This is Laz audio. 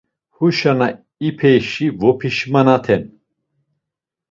Huyşa na ipeyşi vopişmanaten.